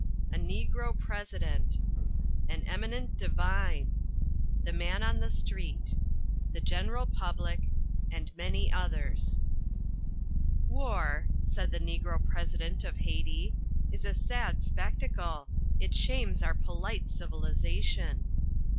A NEGRO PRESIDENT. AN EMINENT DIVINE. THE MAN ON THE STREET. THE GENERAL PUBLIC. And many others. "War," said the Negro President of Haiti, "is a sad spectacle. It shames our polite civilisation."